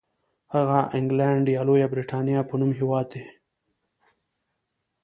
هغه انګلنډ یا لویه برېټانیا په نوم هېواد دی.